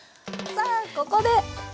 さあここで！